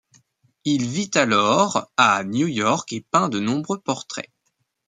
Il vit alors à New-York et peint de nombreux portraits.